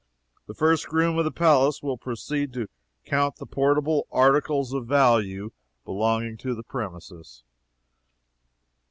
The First Groom of the Palace will proceed to count the portable articles of value belonging to the premises."